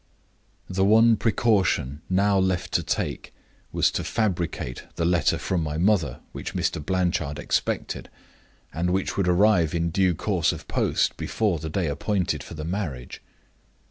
"The one precaution now left to take was to fabricate the answer from my mother which Mr. Blanchard expected, and which would arrive in due course of post before the day appointed for the marriage.